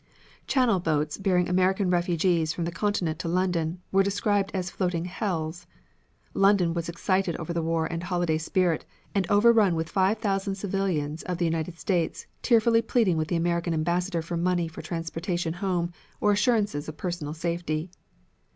Channel boats bearing American refugees from the Continent to London were described as floating hells. London was excited over the war and holiday spirit, and overrun with five thousand citizens of the United States tearfully pleading with the American Ambassador for money for transportation home or assurances of personal safety.